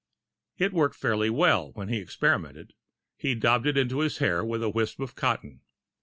It worked fairly well, when he experimented. He daubed it onto his hair with a wisp of cotton.